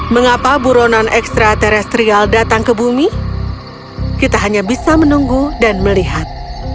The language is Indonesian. mengapa buronan ekstra terrestrial datang ke bumi kita hanya bisa menunggu dan melihat